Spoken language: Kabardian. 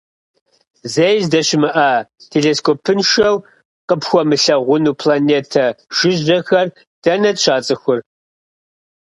Зэи здэщымыӏа, телескопыншэу къыпхуэмылъэгъуну планетэ жыжьэхэр дэнэт щацӏыхур?